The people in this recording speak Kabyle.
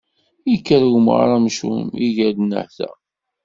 Yekker umɣar amcum, iger-d nnehta.